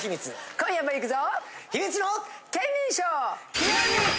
今夜もいくぞ。